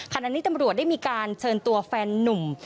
ขณะนี้ตำรวจได้มีการเชิญตัวแฟนนุ่ม